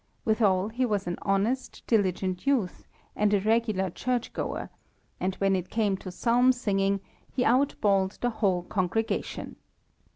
Withal he was an honest, diligent youth, and a regular church goer; and when it came to psalm singing, he out bawled the whole congregation.